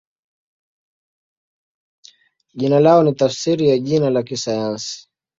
Jina lao ni tafsiri ya jina la kisayansi.